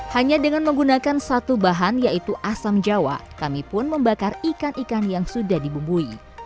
hanya dengan menggunakan satu bahan yaitu asam jawa kami pun membakar ikan ikan yang sudah dibumbui